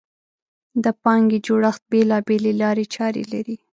د پانګې جوړښت بېلابېلې لارې چارې لري.